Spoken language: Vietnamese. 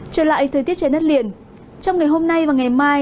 trở lại thời tiết trên đất liền trong ngày hôm nay và ngày mai